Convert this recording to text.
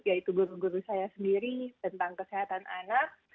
yaitu guru guru saya sendiri tentang kesehatan anak